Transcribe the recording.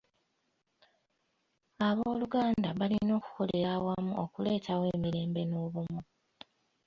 Abooluganda balina okukolera awamu okuleetawo emirembe n'obumu.